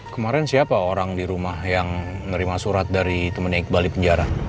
kemarin siapa orang di rumah yang nerima surat dari temennya iqbal di penjara